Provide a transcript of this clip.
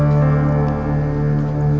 suara apaan sih